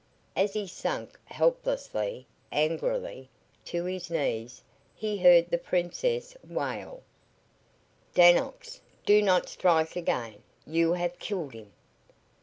As he sank helplessly, angrily, to his knees he heard the Princess wail: "Dannox! Do not strike again! You have killed him!"